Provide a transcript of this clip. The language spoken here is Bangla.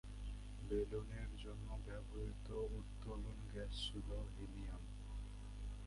বেলুনের জন্য ব্যবহৃত উত্তোলন গ্যাস ছিল হিলিয়াম।